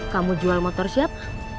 kamu jual motor siapa